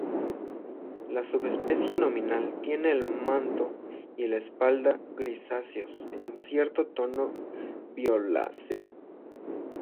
La subespecie nominal tiene el manto y la espalda grisáceos con cierto tono violáceo.